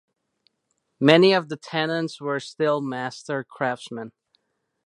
Many of the tenants were still master craftsmen.